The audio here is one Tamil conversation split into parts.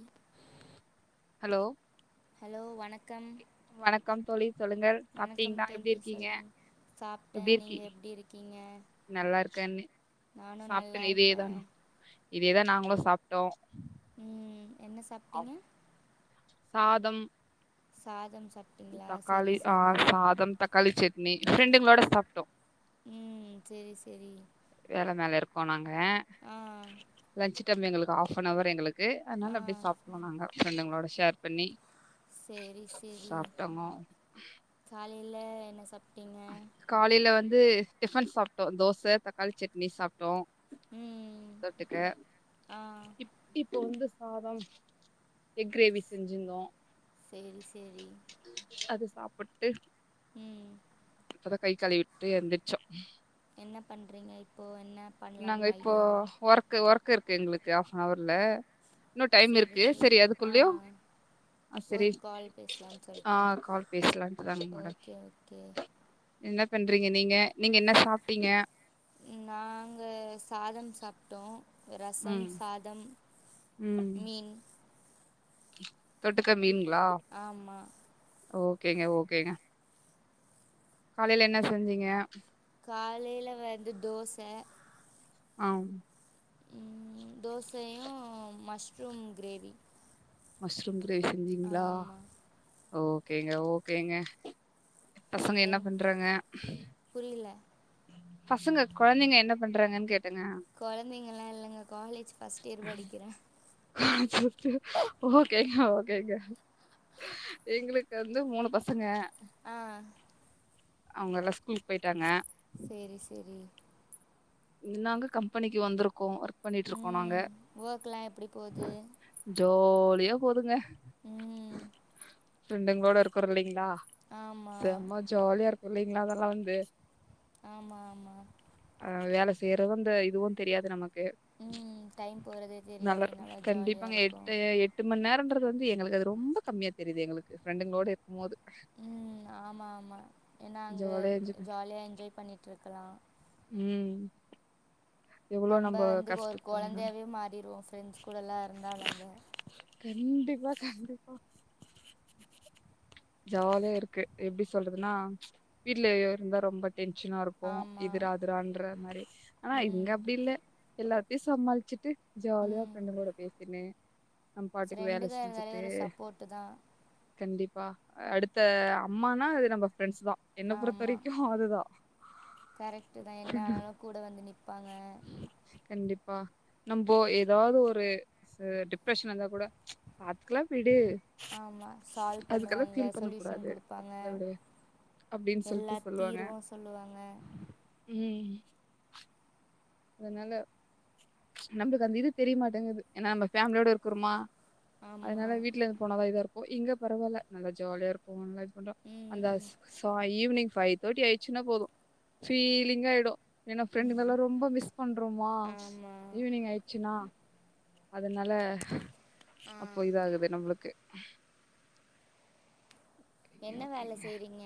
ம் ஹலோ ஹலோ வணக்கம் வணக்கம் தோழி சொல்லுங்கள் வணக்கம் சாப்பிட்டீங்ளா தோழி எப்டி இருக்கீங்க சொல்லுங் சாப்ட்டே எப்டியே இருக்கி நீங்க எப்டி இருக்கீங்க நல்லா இருக்கனு நானு நல்லா சாப்ட்டங்க இதே இருக்கே தானா இதேதா நாங்ளு சாப்ட்டோ ம் என்ன சாப் சாதம் சாதம் சாப் தக்காளி ஆ சாதம் தக்காளி சட்னி ஃபிரெண்டுங்ளோட சாப்ட்டோ ம் செரி செரி வேல மேல இருக்கோ நாங்க ஆ லன்ச் டைம் எங்களுக்கு ஹாப் அன் அவர் எங்ளுகக்கு ஆ அதனால அப்டி சாப்டுவோ நாகங்க ஃபிரெண்டுங்ளோட ஷேர் பண்ணி செரி சாப்ட்டாங்க காலைல என்ன சாப்ட்டீங்க காலைல வந்து டிஃபன் சாப்ட்டோ தோச தக்காளி சட்னி சாப்ட்டோ ம் தொட்டுக்க ஆ இப் இப்போ வந்து சாதம் எக் கிரேவி செஞ்சிருந்தோ செரி செரி அது சாப்புட்டு ம் இப்பதா கை கழு விட்டு எந்திரச்சோ என்ன பண்றீங்க இப்போ என்ன நாங்க பண்லான்னு இப்போ ஐடியால இருக் ஒர்க் ஒர்க் இருக்கு எங்களுக்கு ஆப்னவர்ல இன்னு டைம் இருக்கு செரி அதுக்குள்யோ ஆ செரி ஒரு கால் பேசலான்னு ஆ சொல்ட்டா கால் பேசலட்டுதான மொடக்கி ஓகே ஓகே என்ன பண்றீங்க நீங்க நீங்க என்ன சாப்ட்டீங்க நாங்க சாதம் சாப்ட்டோ ரசம் ம் சாதம் ம் மீன் தொட்டுக்க மீன்ங்களா ஆமா ஓகேங்க ஓகேங்க காலையில என்ன செஞ்சீங்க காலைல வந்து தோச ஆம் ம் தோசையு மஷ்ரூம் கிரேவி மஷ்ரூம் கிரேவி செஞ்சீங்ளா ஆமா ஓகேங்க ஓகேங்க பசங்க என்ன பண்றாங்க புரியில பசங்க கொழந்தைங்க என்ன பண்றாங்கன் கேட் கொழந்தைங்களா இல்லங்க காலேஜ் ஃபஸ்ட் இயர் படிக்கிற அச்சச்சோ ஓகேங்க ஓகேங்க எங்களுக்கு வந்து மூணு பசங்க ஆ அவுங்க எல்லா ஸ்கூலுக் போய்ட்டாங்க சேரி சேரி நாங்க கம்பெனிக்கு வந்திருக்கோ வொர்க் ம் வொக்லா எப்டி போது ஜோலியா போதுங்க ம் ஃப்ரெண்டுங் கூட இருக்குறோ இல்லைங்ளா ஆமா செம்ம ஜாலியா இருக்கு இல்லைங்ளா அதெல்லா வந்து ஆமா ஆமா அ வேல செய்றது இந்த இதுவு தெரியாது நமக்கு ம் டைம் போறதே தெரியாது நல்லா ஜாலியா கண்டிப்பாங்க இருக்கு எட்டு எட்டு மண் நேரோன்றது வந்து எங்ளுக் அது ரொம்ப கம்மியா தெரியுது எங்ளுக்கு ஃப்ரண்டுங்களோட இருக் மோது ம் ஆமா ஆமா ஏனா அங்க ஜாலியா என்ஜாய் பண்ண- ஜாலியா என்ஜாய் பண்ணிட் இருக்கலா ம் எவ்ளோ நம்ப வந்து ஒரு கஷ்டத்த கொழந்தையாவே மாறிருவோ ஃப்ரெண்ட்ஸ் கூடல்லா இருந்தா நம்ப கண்டிப்பா கண்டிப்பா ஜாலியா இருக்கு எப்டி சொல்றதுன்னா வீட்லே இருந்தா ரொம்ப டென்ஷனா இருக் கு ஆமா இதுரா அதுரான்ற மாரி ஆனா இங்க ம் அப்படி இல்ல எல்லாத்தையு சமாளிச்சுட்டு ஜாலியா ம் ஃப்ரெண்டுங் கூட பேசினு ஃப்ரெண்டுங்க இருந்தாலே ஒரு சப்போர்ட்டு தா கண்டிப்பா அடுத்த அம்மானா அது நம்ப ஃப்ரெண்ட்ஸ் தா என்ன பொறுத்த ஆமா வரைக்கு அதுதா கரெக்ட்டு தா என்ன ஆனாலு கூட வந்து நிப்பாங்க கண்டிப்பா நம்போ ஏதாவ்து ஒரு ச டிப்ரெஷன்ல இருந்தா கூட பாத்துக்லா விடு ஆமா சால்வ் அதுக்கெல்லா பண்ணுவாங்க ஃபீல் பண்ண சொல்யூஷன் கூடாது குடுப்பாங்க பாத்துக்லா விடு அப்டின்னு சொல்லிட்டு எல்லா சொல்லுவாங்க தீர்வு சொல்லுவாங்க ம் அதனால நம்ளுக்கு அந்த இது தெரியமாட்டேங்குது ஏனா நம்ம ஃபேமிலியோட இருக்றோமா ஆமா அதனால வீட்ல இருந்து போனாதா இதா இருக்கு இங்க பரவால்ல நல்லா ஜாலியா இருக்கு [unintelligible] கொண்டு அந்த ம் ஸ் சா ஈவினிங் ஃபைவ் தேர்டி ஆயிடுச்சுன்னா போது ஃபீலிங்க ஆயிடு ஏனா ஃப்ரெண்டு்ங்கெல்லா ரொம்ப மிஸ் பண்றோமா ஆமா ஈவினிங் ஆயிட்ச்சுனா அதனால ஆ அப்போ இதாகுது நம்ளுக்கு ஓகேங்க, என்ன வேல ஓகேங்க. செய்றீங்க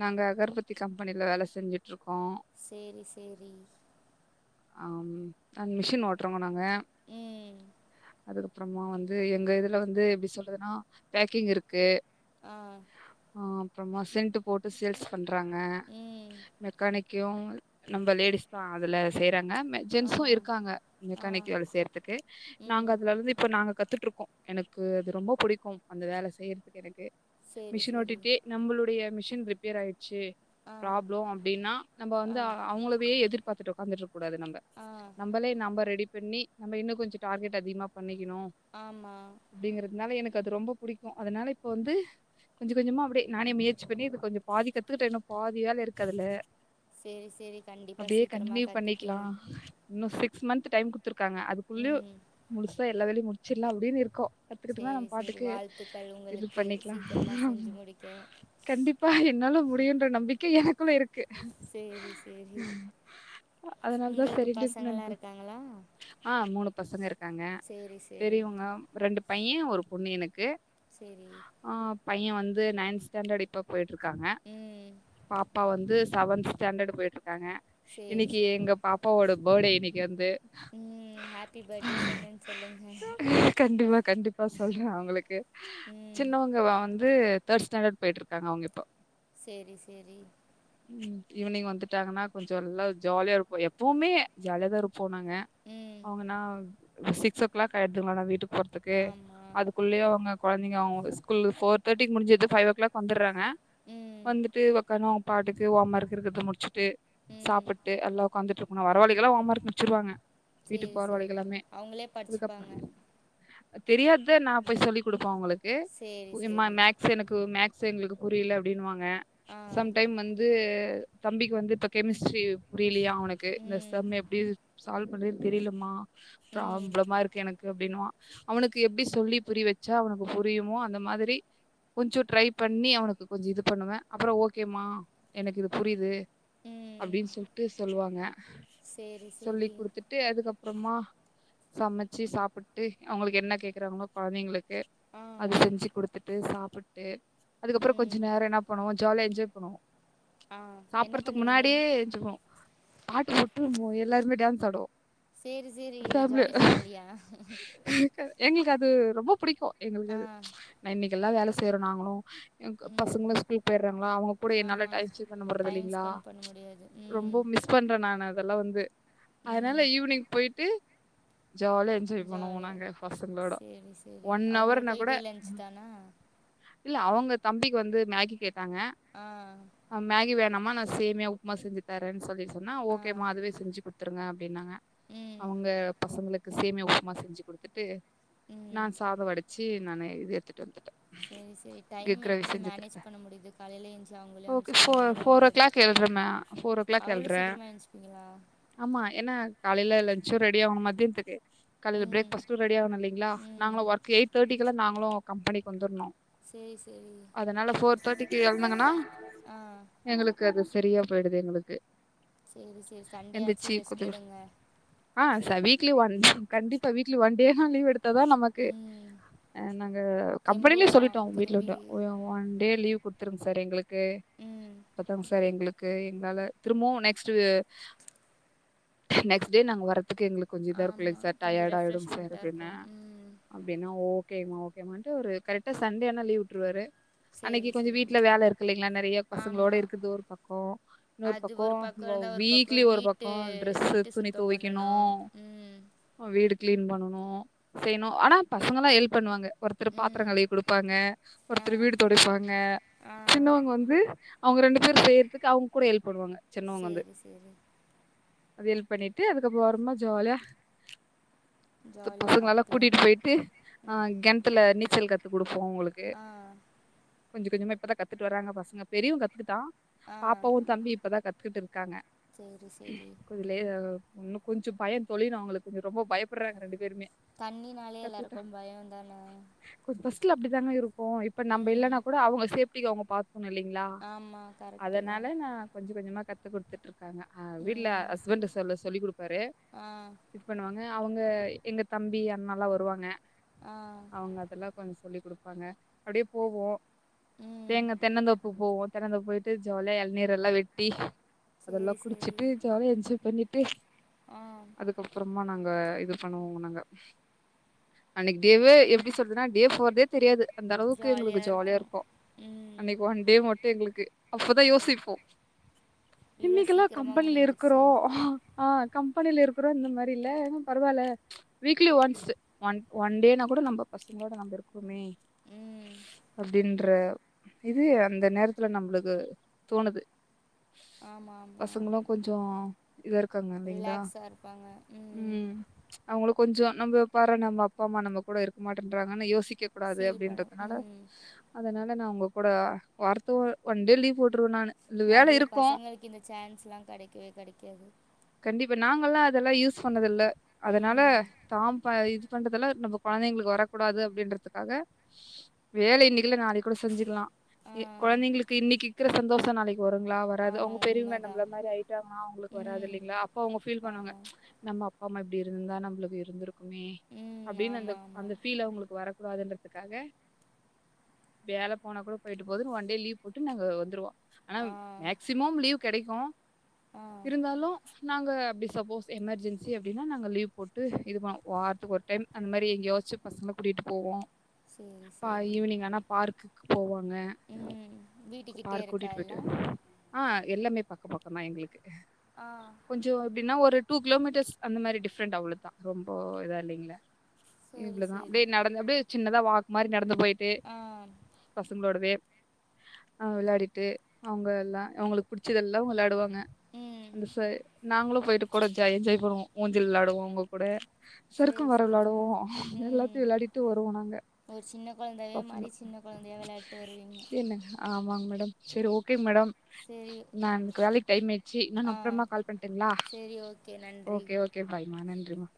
நாங்க அகர்பத்தி கம்பெனில வேல செஞ்சுட் இருக்கோ செரி செரி அம் அந் மிஷின் ஓட்றவங்க நாங்க ம் அதோட அப்றமா வந்து எங்க இதுல வந்து எப்டி சொல்துன்னா பேக்கிங் இருக்கு ஆ ஆ அப்றமா சென்ட் போட் சேல்ஸ் பண்றாங்க ம் மெக்கானிக்கையு நம்ப லேடிஸ் தா அதுல செய்றாங்க ம ஆ ஜென்ஸு இருக்காங்க இங்க ஆ கணக்கி வேல செய்றதுக்கு நாங்க ம் அதுல இருந்து இப்ப நாங்க கத்துட் இருக்கோ எனக்கு அது ரொம்ப பிடிக்கும் அந்த வேல செய்றதுக்கு எனக்கு சேரி மிஷின் சேரி ஓட்டிட்டே நம்ளுடைய மிஷின் ரிப்பேர் ஆயிட்ச்சி ஆ ப்ராப்ளோ அப்டின்னா நம்ப ஆ வந்து அவங்களவே எதிர்பாத்துட்டு உக்காந்துட்ருக்க கூடாது நம்ப ஆ நம்பளே நாம ரெடி பண்ணி நம்ம இன்னு கொஞ்சோ டார்கெட் அதிகமா பண்ணிகிணோ ஆமா அப்டிங்கிறதுனால எனக்கு அது ரொம்ப புடிக்கு அதனால இப்போ வந்து கொஞ்ச கொஞ்சமா அப்டே நானே முயற்சி பண்ணி இது கொஞ்சோ பாதி கத்துக்கிட்ட இன்னு பாதி வேல இருக்கு அதுல சேரி சேரி கண்டிப்பா அப்டியே சீக்கிரமா கண்டினியூ பண்ணிக்கலா கத்துப்பீங்க இன்னு சிக்ஸ் மந்த் டைம் குட்த்துருக்காங்க அதுக்குள்ளயு ம் முழுசா எல்ல வேலையு முட்ச்சிட்லா அப்டின் இருக்கோ கத்துக்கிட்டம்னா சேரி நம்ம சேரி பாட்டுக்கு வாழ்த்துக்கள் இது உங்களுக்கு பண்ணிக்லா சீக்கிரமா ஆமா செஞ்சு முடிக்க கண்டிப் ப்பா என்னால முடியுன்ற நம்பிக்க எனக்குள்ள இருக்கு சேரி சேரி அதுனால தா உங்களுக்கு பசங்கள்லா செரின்ட்டு [unintelligible] இருக்காங்களா ஆ மூனு பசங்க இருக் க்காங்க சேரி சேரி பெரியவுங்க ரெண்டு பையெ ஒரு பொண்ணு எனக்கு சேரி ஆ பையெ வந்து நைன்த் ஸ்டாண்டர்ட் இப்ப போய்ட்டு இருக்காங்க ம் பாப்பா வந்து செவன்த் ஸ்டாண்டர்ட் போய்ட் இருக்காங்க சேரி இன்னிக்கி சேரி எங்க பாப்பாவோட படே இன்னக்கி வந்து ம் ஹாப்பி படே சொன்னேனு சொல்லுங்க கண்டிப்பா கண்டிப்பா சொல்றே அவுங்களுக்கு ம் சின்னவங்க வந்து தேர்ட் ஸ்டாண்டர்ட் போய்ட்ருக் க்காங்க அவுங்க இப்ப சேரி சேரி ம் ஈவ்னிங் வந்துட்டாங்கன்னா கொஞ்சொ நல்லா ஜாலியா இருக்கு எப்பவுமே ஜாலிய தா இருப் போ நாங்க ம் அவுங்கனா சிக்ஸ் ஓ கிளாக் ஆய்டுதுங்களா வீட்டுக் போறதுக்கு ஆமா அதுக்குள்ளயே அவுங்க கொழந்தைங்க அவ்ங்க ஸ்கூல் ஃபோர் தேர்ட்டிக்கு முடுஞ்சிது ஃபைவ் ஓ கிளாக் வந்துறாங் க ம் வந்துட்டு ஒக்கார்ணு அவ்ங் பாட்டுக்கு ஓமர்க் இருக்கற்து முடுச்சிட்டு ம் சாப்புட்டு எல்லா உக்காந்துட்ருக்கணு வரவழிகல்லா ஓமர்க் முட்ச்சிருவாங்க வீட்டுக்கு போறவழிக எல்லாமே லே படுச்சுப்பாங்க தெரியாத்த நா போய் சொல்லி குடுப்பே அவுங்களுக்கு சேரி ம்மா சேரி மேக்ஸ் எனக்கு மேக் ஸ் எங்களுக்கு புரியல அப்டினுவாங்க ஆ சம்டைம் வந்து ந்து தம்பிக்கு வந்து இப்ப கெமிஸ்ட்ரி புரிலையா அவனுக்கு இந்த ம் சம் எப்டி சால்வ் பண்ணவே தெரிலம்மா ம் பிராப்ளமா இருக்கு எனக் கு அப்டின்னுவா அவனுக்கு எப்டி சொல்லி புரிய் வச்சா அவனுக்கு புரியுமோ அந்த மாதிரி கொஞ்சோ ட்ரை பண்ணி அவனுக்கு கொஞ்சொ இது பண்ணுவே அப்பறொ ஓகேமா எனக்கு இது புரிது ம் அப்டின் சொல்ட்டு சொல்வாங்க சேரி சொல்லி சேரி குடுத்துட் ட்டு அதுக்கப்றமா சமச்சி சாப்புட்டு அவுங்களுக்கு என்ன கேக்றாங்களோ கொழந்தைங்களுக்கு ஆ அது செஞ்சு குடுத்துட்டு சாப்புட்டு அதுக்கப்பறொ கொஞ்சொ ம் நேரொ என்ன பண்ணுவோ ஜாலியா என்ஜாய் பண்ணுவோ ஆ என்ன சாப்புட்றதுக்கு பண்ணுவீங்க முன்னாடியே ஏஞ்சிப்போ பாட்டு போட்டு எல்லாருமே டேன்ஸ் ஆடுவோ சேரி சேரி ஜாலி ஃபேமிலியா எங்களுக்கு அது ரொம்ப புடிக்கு எங்களுக்கு ஆ அது நா இன்னக்கெல்லா வேல செய்றோ நாங்களு என்க்கு ம் பசங்களா ஸ்கூல் போயிறாங்களா அவுங்க கூட என்னால ஆமா டைம் [unintelligible] டைம் இல்லைங்ளா ஸ்பெண்ட் பண்ண முடியாது ம் மிஸ் பண்றே நானு அதெல்லா வந்து ம் அதுனால ஈவினிங் போயிட்டு ஜாலியா என்ஜா ஜாய் பண்ணுவோ ஜாலியா நாங்க பசங்களோட ஒன் அவர்னா குட அ இல்ல அவுங்க தம்பிக்கி வந்து மேகி கேட்டாங்க அ மேகி வேணாமா நா சேமிய உப்புமா செஞ்சு தரேன் சொல்லி சொன்னா ஆ ஓகேம்மா அதுவே செஞ்சு குடு த்துருங்க அப்டின்னாங்க ம் அவுங்க பசங்ளுக்கு சேமிய உப்புமா செஞ்சு குடுத்துட்டு நா ம் சாதொ வடுச்சு நானு இது எட்த்துட்டு வந்துட்டே சேரி ச சேரி டைம் எக் கிரேவி எப்டி செஞ்சு மேனேஜ் எடுத்துட்டே பண்ண முடியுது காலைல எஞ்சு அவுங்களயு ஓகே அம்ச்சுட்டு ஃபோர் நீங்களு ஃபோர் ஓ கிளாக் வரதுக்கு எழுறே மே ஃபோர் ஓ கிளாக் அவ்ளோ எழுறே சீக்கிரமா எந்ச்சுப்பீங்களா ஆமா ஏன்னா காலைல லன்ஞ்சு ரெடி ஆகனு மதியத்துக்கு காலைல ம் பிரேக்ஃபஸ்டு ரெடி ஆகணு இலைங்களா ம் நாங்களு ஒர்க் எயிட் தேர்டிக்குள்ள நாங்களு கம்பெனிக்கு வந்துர்னு சேரி சேரி அதனால ஃபோர் தேர்ட்டிக்கு எழுந்தங்கனா ஆ எங்களுக்கு அது சரியா போய்டுது எங்களுக்கு சேரி சேரி சண்டேயாச்சு எந்திரிச்சு ரெஸ்ட் கொஞ்ச எடுங்க ஆ ச வீக்லி ஒன் கண்டிப்பா வீக்லி ஒன் டோவா லீவ் எடுத்தா தா நம் மக்கு ம் ஆ நாங்க தெம்பு கம்பெனிலயே வரும் சொல்லிட்டோ உங்க வீட்ல திரும்பி விட்டு ஆ ஒன் டே லீவ் குடுத்துருங்க சார் எங்களுக்கு ம் அப்பத்தாங்க சார் எங்களுக் கு எங்களால திரும்பவு நெக்ஸ்ட்டு நெக்ஸ்ட் டே நாங்க வர்றதுக்கு எங்குளுக் கொஞ்சோ இதா இருக்குங்க இல்லிங்க ஆமாம் சார் கொஞ்சம் டயர்ட் ஆயிடுங்க சார் ரெஃப்ரெஷ்மெண்ட்டாக அப்டின்ன இருக்கும் ம் அப்டின்னா ஓகேமா ஓகேமான்ட்டு ஒரு கரெக்டா சண்டே ஆனா லீவ் விட்டுருவாரு அன்னைக்கு சரி கொஞ்சோ சரி வீட்ல வேல இருக்கு இல்லைங்களா நெறைய பசங்களோட ஆமாம் இருக்கறது ஒரு பக்கோ இன்னொரு அது பக்கோ ஒரு பக்கம் இருந்தால் ஒரு வீக்லி பக்கம் ஒரு வீட்டு பக்கோ ட்ரெஸு வீட்டு துணி சுத்தம் துவைக்கணு பண்ணணும் ம் வீடு கிளீன் பண்ணனு செய்ணு ஆனா பசங்கள எல்லா ஹெல்ப் பண்ணுவாங்க ஒருத்தர் பாத்திரங் ம் கழவி குடுப் பாங்க ஆ ஒருத்தர் வீடு தொடைப்பாங்க ஆ சின்னவங்க வந்து அவுங்க ரெண்டு பேரு செய்யறதுக்கு அவுங்க கூட ஹெல்ப் பண்ணுவாங்க சின்னவங்க வந்து சேரி சேரி அது ஹெல்ப் பண்ணிட்டு அதுக்கபோறமா ஜாலியா இந்த ஜாலியா பசங்கள எல்லா ஹாப்பியா கூட்டிட்டு போயிட்டு ஆ ம் கெணத்துல நீச்சல் கத் துக் குடுப்போ உங்களுக்கு ஆ கொஞ்ச கொஞ்சமா இப்பதா கத்துட்டு வராங்க பசங்க பெரியவ கத்துக்கிட்டா ஆ பாப்பாவு தம்பி இப்பதா கத்துக்கிட்டு இருக்காங்க சேரி சேரி கொஞ்சம் லே இன்னு கொஞ்சோ பயோ தோழி நா உங்களுக்கு ரொம்ப பயப்பட்றாங்க ரெண்டு பேருமே தண்ணினாலே எல்லாருக்கு பயோதான ப்ப ஃபஸ்ட்ல அப்டித்தாங்க இருக்கு இப்ப நம்ம ம் இல்லன்னா கூட அவுங்க சேஃப்டிக்கு அவங்க பாத்துகணு இல்லலைங்களா ஆமா கரெக்ட்டு தா அதனால நா கொஞ்ச கொஞ்சமா கத்துக் குடுத்துட்டு இருக் இருக்காருக்கா ஆ வீட்டுல ம் ஹஸ்பண்ட் சொல்ல சொல்லி கொடுப்பாரு ஆ இது பண்ணுவாங்க அவங்க எங்க தம்பி அண்ணல்லா வருவாங்க ஆ அவுங்க அதெல்லா கொஞ்சோ சொல்லிக் கொடுப்பாங்க அப்டியே போவோ ம் தேங்கா தென்னந்தோப்பு போவோ தென்னந்தோப்பு போயிட்டு ஜாலியா எளநீர் எல்லா வெட்டி அதெல்லா சேரி சேரி குடிச்சிட்டு ஜாலியா என்ஜாய் பண்ணிட்டு ஆ அதுக்கப்புறமா நாங்க இது பண்ணுவோங்க நாங்க அன்னக்கி டேவே எப்டி சொல்றதுன்னா டே போறதே தெரியாது அந்தளவுக்கு எங்களுக்கு ஜாலியா இருக்கு ம் அன்னைக்கு ஒண்டே மட் ட்டு எங்களுக்கு அப்பதா யோசிப்போ இவ்ளோ இன்னைக்கெல்லா சீக்கிரமா கம்பெனில இருக்குறோ முடிஞ்சிருச்சே ஆ கம்பெனில இருக்குறோ இந்த மாரி இல்ல ஆனா பரவாயில்ல வீக்லி ஒன்ஸு ஒன் ஒன் டேனா கூட நம்ப பஸ் எங்களோட நம்ப இருக்கோமே ம் அப்டின் ற இது அந்த நேரத்துல நம்ளுக்கு தோணுது ஆமா ஆமா பசங்களு கொஞ்சோ இதா இருக்காங்க இல்லைங்களா ரிலாக்ஸா இருப்பாங்க ம் அவுங்களுக் கொஞ்ச நம்ம பார நம்ம அப்பா அம்மா நம்ம கூட இருக்க மாட்டேன்றாங்கன்னு யோசிக்க கூடாது ஃபீல் பண்ண அப்டின்றதுனால ம் அதனால நா உங்க கூட வாரத்து ஒன்டே லீவ் போட்ருவ நானு இந்த வேல நெறைய இருக்கு பசங்களுக்கு இந்த சான்ஸ்ல்லா கெடைக்கவே கெடைக்காது கண்டிப்பா நாங்கல்லா அதெல்லா யூஸ் பண்ணதில்ல அதனால ம் தா ப இது பண்றதெல்லா நம்ப கொழந்தைங்களுக்கு வரக்கூடாது அப்டின்றத்துக்காக வேல இன்னிக்கில்ல நாளைக் கூட செஞ்சிக்கலா ஆ எ கொழந்தைங்களுக்கு இன்னிக் இக்கிற சந்தோஷோ நாளைக் வருங்ளா வராது ஆமா அவங்க பெரியவ்ங்க உண்மதா நம்பள மாரி ஆய்ட்டாங்கனா அவுங்களுக் ம் வராதில்லீங்ளா அப்ப அவுங்க ஃபீல் பண்ணுவாங்க ஆமா நம்ம அப்பா அம்மா இப்டி இருந்தா நம்பளுக் இருந்துருக் குமே ம் அப்டின் அந்த ஆமா ஆமா அந்த ஃபீல் அவுங்களுக் வரக்கூடாதுன்ற துக்காக வேல போனா கூட போய்ட்டு போதுன் ஒன் டே லீவ் போட்டு நாங்க வந்துருவோ ஆனா ஆ மேக்சிமம் லீவ் கெடைக்கு ஆ இருந்தாலு நாங்க அப்டி சப்போஸ் எமர்ஜன்சி அப்டினா நாங்க லீவ் போட்டு இது பண்ணோ வார்த்துக் ஒரு டைம் அந்த மாரி எங்யாச்சு பசங்கள கூட்டிட்டு போவோ சேரி பா சேரி ஈவினிங் ஆனா பார்க்குக்கு போவாங்க ம் கு வீட்டுக்கிட்டே பார்க் இருக்கா கூட்டிட்டு போய்ட்டு எல்லா ஆ எல்லாமே பக்க பக்கந்தா எங்ளுக்கு ஆ கொஞ்சோ எப்டினா ஒரு டூ கிலோமீட்டர்ஸ் அந்த மாரி டிஃப்ரெண்ட் அவ்ளோ தா ரொம்போ இதா இல்லீங்ளே சேரி இவ்ளோ தா அப்டியே சேரி நடந்து அப்டியே சின்னதா வாக் மாரி நடந்து போயி ஆ பசங்ளோடவே அ விளாடிட்டு அவுங்க எல்லா அவுங்களுக் புடிச்சதெல்லா விளாடுவாங்க ம் அந்த ச நாங்களு போய்ட்டு கூட ஜாய் என்ஜாய் பண்ணுவோ ஊஞ்சல் விளாடுவோ அவுங்க கூட சறுக்கு சேரி மரோ சேரி விளாடுவோ ம் இன்னதெல்லாத்தயு விளாடிட்டு வருவோ நாங்க ஒரு சின்ன கொழந்தையா மாறி சின்ன கொழந்தையா வெளாட்டு வருவீங்க என்ன ஆமாங் மேடம் செரி ஓகேங் மேடம் சேரி நா எனக் வேலைக் டைம் ஆய்ட்ச்சி நானு ஆ அப்றமா கால் பண்ட்டுங்ளா சேரி ஓகே நன்றி ஓகே ஓகே பாய்மா நன்றிம்மா